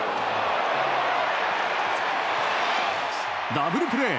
ダブルプレー！